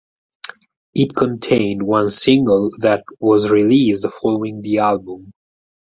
It contained one single that was released following the album.